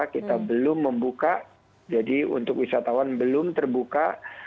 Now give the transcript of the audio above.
kita belum membuka jadi untuk wisatawan belum terbuka